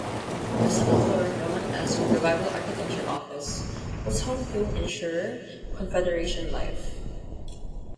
The seven-floor Romanesque Revival architecture office was home to insurer Confederation Life.